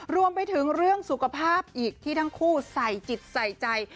รวมไปถึงเรื่องสุขภาพอีกที่ทั้งคู่ใส่จิตใส่ใจ